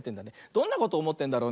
どんなことおもってんだろうね。